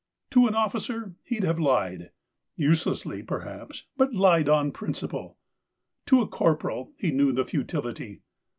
To an officer he'd have lied, uselessly, perhaps, but lied on principle : to a corporal he knew the futility.